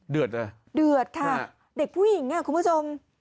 เดือดเหรอเดือดค่ะเด็กผู้หญิงคุณผู้ชม